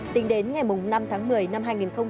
tính đến ngày năm tháng một mươi năm hai nghìn hai mươi